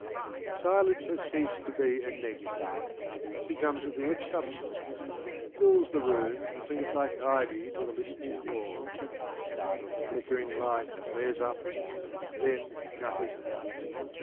Silence has ceased to be a negative, Becomes a thing of substance — fills the room And clings like ivy to the listening walls. The flickering light flares up — then gutters out.